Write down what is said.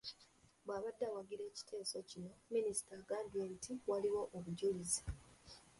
Bw’abadde awagira ekiteeso kino, Minisita agambye nti waliwo obujulizi.